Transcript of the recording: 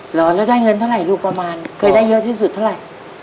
เหรอแล้วได้เงินเท่าไหร่ลูกประมาณเคยได้เยอะที่สุดเท่าไหร่